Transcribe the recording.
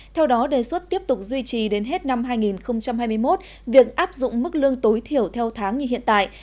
theo đó đề xuất tiếp tục duy trì đến hết năm hai nghìn hai mươi một việc áp dụng mức lương tối thiểu theo tháng như hiện tại